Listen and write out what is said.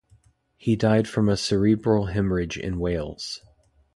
He died from a cerebral haemorrhage in Wales.